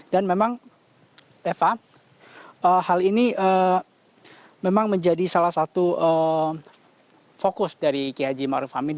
dan memang eva hal ini memang menjadi salah satu fokus dari kiai jemaul